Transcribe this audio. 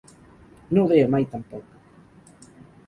No ho deia mai tampoc.